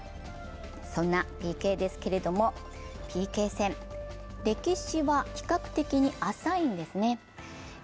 そんなＰＫですけど歴史は比較的浅いんですね。